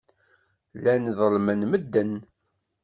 Llan ḍellmen medden.